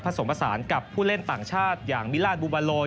ผสมผสานกับผู้เล่นต่างชาติอย่างมิลานบูบาโล